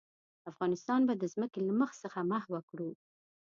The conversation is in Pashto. افغانستان به د ځمکې له مخ څخه محوه کړو.